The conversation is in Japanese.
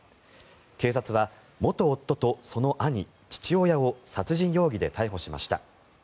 警察は元夫とその兄、父親を殺人容疑で逮捕しました。